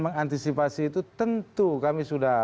mengantisipasi itu tentu kami sudah